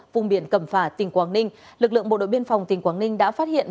vùng biển cẩm phả tỉnh quảng ninh lực lượng bộ đội biên phòng tỉnh quảng ninh đã phát hiện